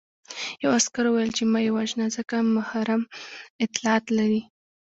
یوه عسکر وویل چې مه یې وژنه ځکه محرم اطلاعات لري